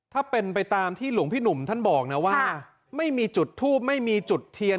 ถ้าเป็นไปตามที่หลวงพี่หนุ่มท่านบอกนะว่าไม่มีจุดทูปไม่มีจุดเทียน